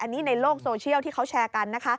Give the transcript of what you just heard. อันนี้ในโลกโซเชียลที่เขาแชร์กันนะคะ